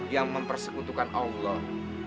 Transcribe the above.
yang mempersekutukan allah